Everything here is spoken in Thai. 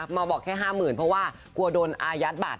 มาบอกแค่๕๐๐๐เพราะว่ากลัวโดนอายัดบัตร